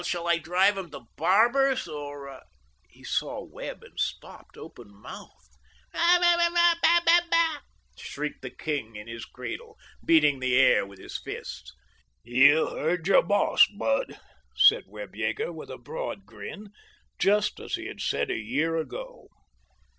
Shall I drive 'em to Barber's, or—" He saw Webb and stopped, open mouthed. "Ba ba ba ba ba ba!" shrieked the king in his cradle, beating the air with his fists. "You hear your boss, Bud," said Webb Yeager, with a broad grin—just as he had said a year ago.